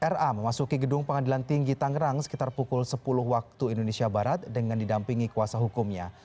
ra memasuki gedung pengadilan tinggi tangerang sekitar pukul sepuluh waktu indonesia barat dengan didampingi kuasa hukumnya